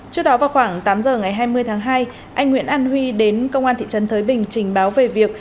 trước đó vào khoảng tám giờ ngày hai mươi tháng hai anh nguyễn an huy đến công an thị trấn thới bình trình báo về việc